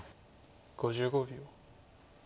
５５秒。